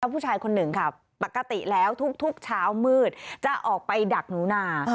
ผู้ชายคนหนึ่งค่ะปกติแล้วทุกเช้ามืดจะออกไปดักหนูนา